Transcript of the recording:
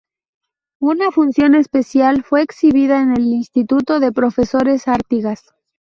Una función especial fue exhibida en el Instituto de Profesores Artigas.